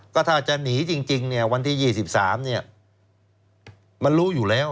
ก็ถ้าจะหนีจริงวันที่๒๓มันรู้อยู่แล้ว